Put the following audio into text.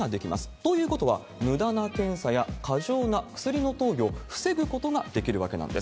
ということは、むだな検査や過剰な薬の投与を防ぐことができるわけなんです。